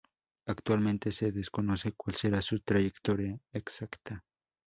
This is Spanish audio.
Actualmente se desconoce cuál será su trayectoria exacta.